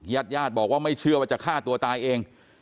ญาติญาติบอกว่าไม่เชื่อว่าจะฆ่าตัวตายเอง